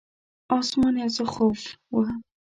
اسمان یو څه خوپ و.